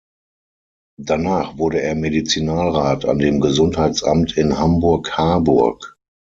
Danach wurde er Medizinalrat an dem Gesundheitsamt in Hamburg-Harburg.